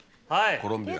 コロンビア。